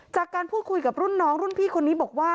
จากการพูดคุยกับรุ่นน้องรุ่นพี่คนนี้บอกว่า